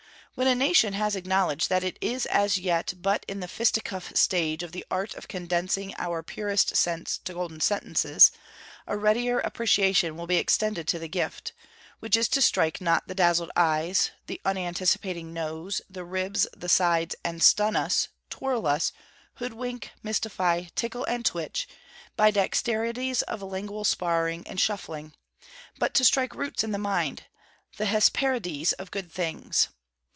When a nation has acknowledged that it is as yet but in the fisticuff stage of the art of condensing our purest sense to golden sentences, a readier appreciation will be extended to the gift: which is to strike not the dazzled eyes, the unanticipating nose, the ribs, the sides, and stun us, twirl us, hoodwink, mystify, tickle and twitch, by dexterities of lingual sparring and shuffling, but to strike roots in the mind, the Hesperides of good things.